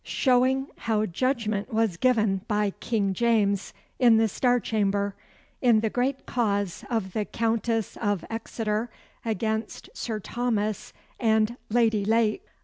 Showing how judgment was given by King James in the Star Chamber, in the great cause of the Countess of Exeter against Sir Thomas and Lady Lake.